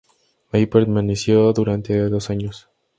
Ahí permaneció durante dos años.